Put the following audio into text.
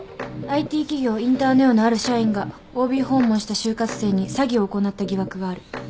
ＩＴ企業インターネオのある社員がＯＢ訪問した就活生に詐欺を行った疑惑がある。